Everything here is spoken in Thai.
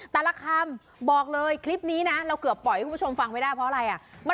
แต่ละคำบอกเลยคลิปนี้นะเราเกือบปล่อยให้คุณผู้ชมฟังไม่ได้เพราะอะไรอ่ะ